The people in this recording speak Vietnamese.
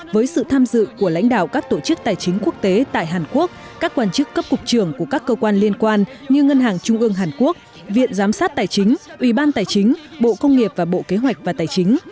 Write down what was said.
với sự tham dự của lãnh đạo các tổ chức tài chính quốc tế tại hàn quốc các quan chức cấp cục trưởng của các cơ quan liên quan như ngân hàng trung ương hàn quốc viện giám sát tài chính ủy ban tài chính bộ công nghiệp và bộ kế hoạch và tài chính